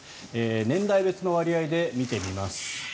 年代別の割合で見てみます。